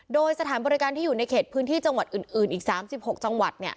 โดยสถานบริการที่อยู่ในเขตพื้นที่จังหวัดอื่นอีก๓๖จังหวัด